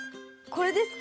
これですか？